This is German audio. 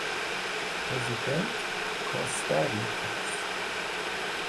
Präsident Costa Ricas.